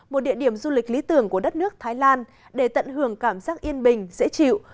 một địa điểm du lịch lý tưởng của đất nước thái lan để tận hưởng cảm giác yên bình dễ chịu